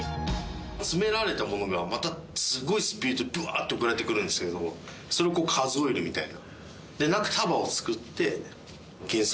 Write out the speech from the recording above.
詰められたものがまたすごいスピードでブワーって送られてくるんですけどそれをこう数えるみたいな。